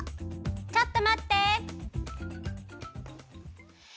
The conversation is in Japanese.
・ちょっとまって！